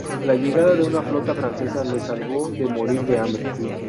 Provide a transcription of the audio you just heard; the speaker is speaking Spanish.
La llegada de una flota francesa les salvó de morir de hambre.